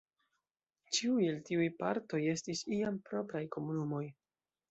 Ĉiuj el tiuj partoj estis iam propraj komunumoj.